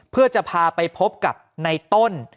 เพื่อจะพาไปพบกับในต้น